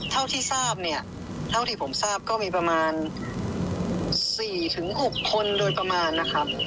เท่าที่ทราบเนี่ยเท่าที่ผมทราบก็มีประมาณ๔๖คนโดยประมาณนะครับ